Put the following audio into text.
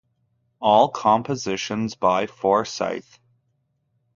All compositions by Forsyth.